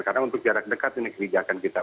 karena untuk jarak dekat ini kerjakan kita